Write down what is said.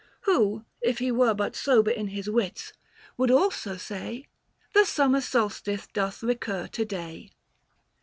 Who, if he were But sober in his wits, would also say The summer solstice doth recur to day.